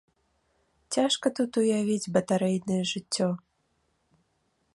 Цяжка тут уявіць батарэйнае жыццё.